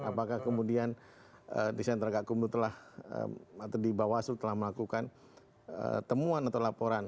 apakah kemudian di sentra gakumdu telah atau di bawaslu telah melakukan temuan atau laporan